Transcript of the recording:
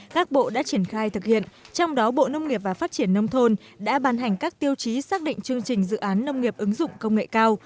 các bộ đã triển khai thực hiện trong đó bộ nông nghiệp và phát triển nông thôn đã ban hành các tiêu chí xác định chương trình dự án nông nghiệp ứng dụng công nghệ cao